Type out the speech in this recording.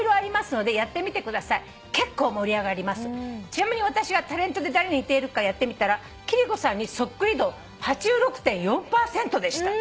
「ちなみに私はタレントで誰に似ているかやってみたら貴理子さんにそっくり度８６．４％でした」